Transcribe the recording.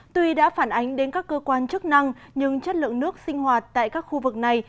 tuy đã phản ánh đến các cơ quan chức năng nhưng chất lượng nước sinh hoạt tại các khu vực này